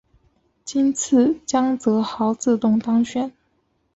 今次江泽濠自动当选。